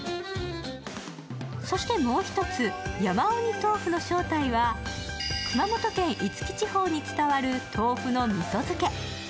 そしてもう一つ、山うにとうふの正体は、熊本県五木地方に伝わる豆腐のみそ漬け。